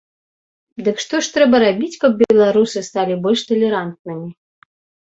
Дык што ж трэба рабіць, каб беларусы сталі больш талерантнымі?